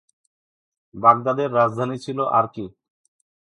বাগদাদের রাজধানী ছিল আর্কি।